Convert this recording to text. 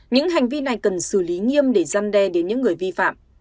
những hành vi này cần xử lý nghiêm để gian đe đến những người vi phạm